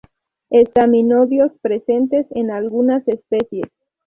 Estaminodios presentes en algunas especies.